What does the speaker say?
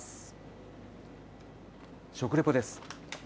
食レポです。